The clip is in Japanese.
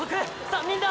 ３人だ！！